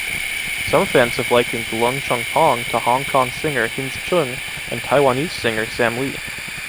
Some fans have likened Leung Chun Pong to Hong Kong singer Hins Cheung and Taiwanese singer Sam Lee.